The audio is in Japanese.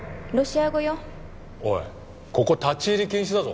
おいここ立ち入り禁止だぞ。